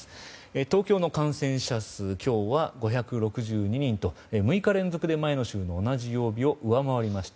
東京の感染者数今日は５６２人と６日連続で前の週の同じ曜日を上回りました。